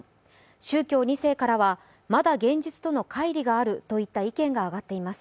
宗教２世からは、まだ現実との乖離があるとの意見が上がっています。